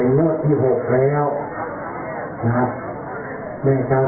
สวัสดีครับสวัสดีครับ